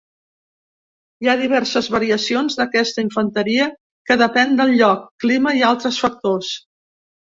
Hi ha diverses variacions d'aquesta infanteria que depèn del lloc, clima i altres factors.